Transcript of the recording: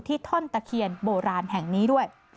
ท่อนตะเคียนโบราณแห่งนี้ด้วย